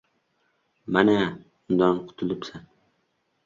Mana, undan qutulibsan.